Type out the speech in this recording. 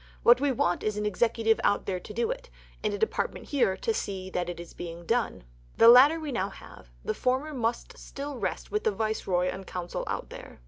What we want is an Executive out there to do it, and a Department here to see that it is being done. The latter we now have; the former must still rest with the Viceroy and Council out there."